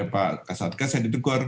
pak kasatgas saya ditegor